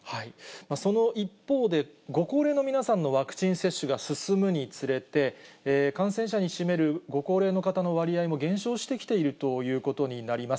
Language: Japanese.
その一方で、ご高齢の皆さんのワクチン接種が進むにつれて、感染者の占めるご高齢の方の割合も減少してきているということになります。